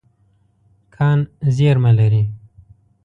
کان زیرمه لري.